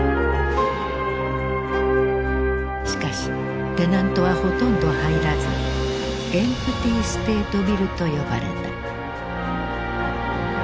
しかしテナントはほとんど入らずエンプティステートビルと呼ばれた。